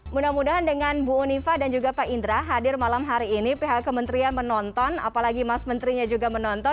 mudah mudahan dengan bu unifa dan juga pak indra hadir malam hari ini pihak kementerian menonton apalagi mas menterinya juga menonton